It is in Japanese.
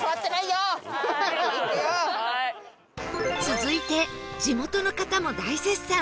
続いて地元の方も大絶賛